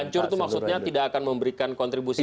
hancur itu maksudnya tidak akan memberikan kontribusi